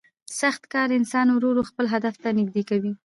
سخت کار انسان ورو ورو خپل هدف ته نږدې کوي